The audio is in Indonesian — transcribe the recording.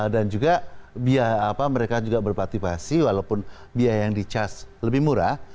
dan juga biaya apa mereka juga berpaktivasi walaupun biaya yang di charge lebih murah